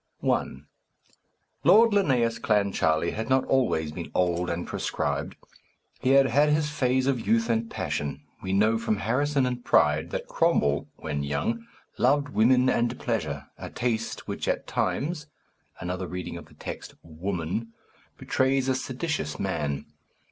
I. Lord Linnæus Clancharlie had not always been old and proscribed; he had had his phase of youth and passion. We know from Harrison and Pride that Cromwell, when young, loved women and pleasure, a taste which, at times (another reading of the text "Woman"), betrays a seditious man.